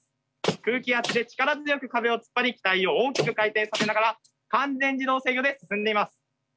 空気圧で力強く壁を突っ張り機体を大きく回転させながら完全自動制御で進んでいます。